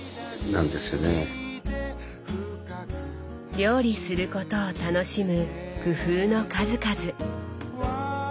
料理することを楽しむ工夫の数々。